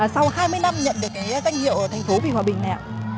sau hai mươi năm nhận được danh hiệu thành phố vì hòa bình nè